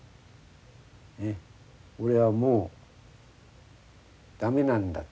「俺はもう駄目なんだ」と。